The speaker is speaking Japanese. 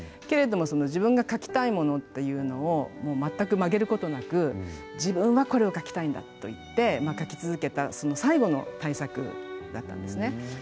けれども自分が描きたいものというのを全く曲げることなく「自分はこれを描きたいんだ」と言って描き続けたその最後の大作だったんですね。